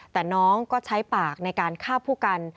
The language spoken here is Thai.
แต่น้องก็ใช้ปากในการฆ่าผู้กัน